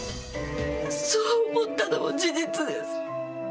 そう思ったのも事実です。